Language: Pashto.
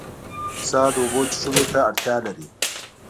پسه د اوبو څښلو ته اړتیا لري.